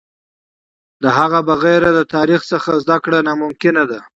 د هغه بغیر د تاریخ څخه زده کړه ناممکن ده.